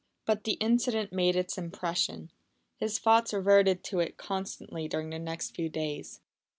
But the incident made its impression. His thoughts reverted to it constantly during the next few days.